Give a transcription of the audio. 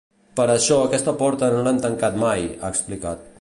Però aquesta porta no l’hem tancat mai, ha explicat.